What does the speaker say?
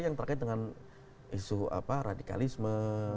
yang terkait dengan isu radikalisme